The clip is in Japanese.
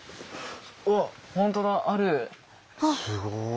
すごい。